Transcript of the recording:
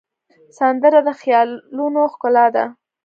سندره د خیالونو ښکلا ده